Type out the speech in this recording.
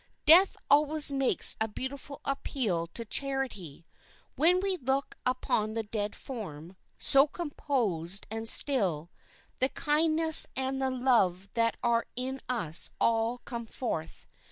Death always makes a beautiful appeal to charity. When we look upon the dead form, so composed and still, the kindness and the love that are in us all come forth.